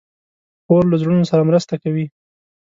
خور له زړونو سره مرسته کوي.